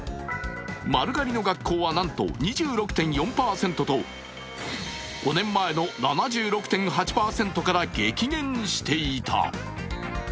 丸刈りの学校はなんと２６．４％と５年前の７６．８％から激減していた。